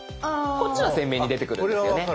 こっちは鮮明に出てくるんですよね。